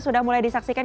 sudah mulai disaksikan